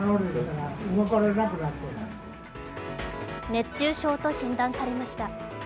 熱中症と診断されました。